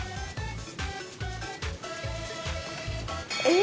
え？